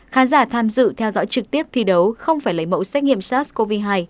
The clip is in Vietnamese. khán giả tham dự theo dõi trực tiếp thi đấu không phải lấy mẫu xét nghiệm sars cov hai